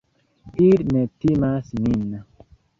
Ili ne timas nin.